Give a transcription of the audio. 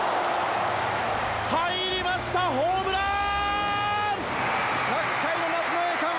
入りましたホームラン！